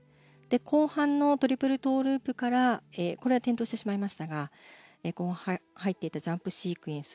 後半のトリプルトウループからこれは転倒してしまいましたが入っていったジャンプシークエンス